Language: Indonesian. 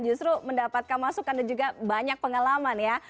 justru mendapatkan masukan dan juga banyak pengalaman ya